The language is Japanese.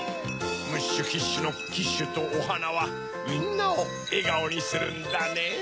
ムッシュ・キッシュのキッシュとおはなはみんなをえがおにするんだねぇ。